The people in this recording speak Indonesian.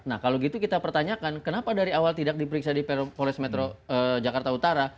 nah kalau gitu kita pertanyakan kenapa dari awal tidak diperiksa di polres metro jakarta utara